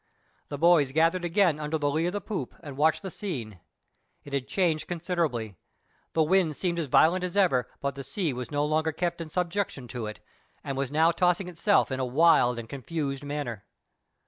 The boys gathered again under the lee of the poop and watched the scene. It had changed considerably; the wind seemed as violent as ever, but the sea was no longer kept in subjection to it, and was now tossing itself in a wild and confused manner.